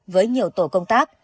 với nhiều tổ công tác